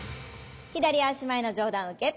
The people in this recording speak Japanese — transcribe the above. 左足前の上段受け。